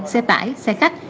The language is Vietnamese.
xe tải xe khách